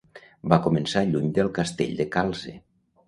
Va començar lluny del castell de Calce.